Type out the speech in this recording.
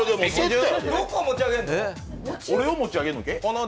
俺を持ち上げるのけ？